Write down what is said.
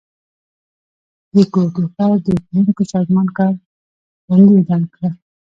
د کوټي ښار د ښونکو سازمان کار بندي اعلان کړه